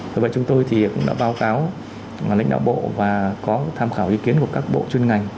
vì vậy chúng tôi thì cũng đã báo cáo lãnh đạo bộ và có tham khảo ý kiến của các bộ chuyên ngành